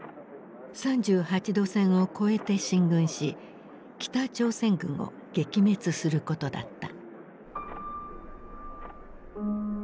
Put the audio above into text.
３８度線を越えて進軍し北朝鮮軍を撃滅することだった。